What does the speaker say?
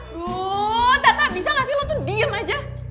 aduh tata bisa ga sih lo tuh diem aja